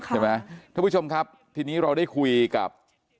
ท่านผู้ชมครับทีนี้เราได้คุยกับ